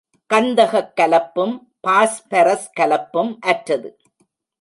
கந்தகக் கலப்பும், பாஸ்பரஸ் கலப்பும் அற்றது.